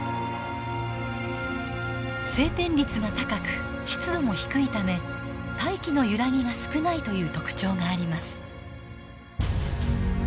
晴天率が高く湿度も低いため大気の揺らぎが少ないという特徴があります。